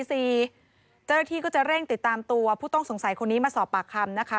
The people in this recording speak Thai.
เจ้าหน้าที่ก็จะเร่งติดตามตัวผู้ต้องสงสัยคนนี้มาสอบปากคำนะคะ